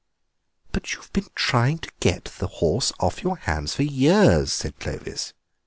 "But you've been trying to get the horse off your hands for years," said Clovis.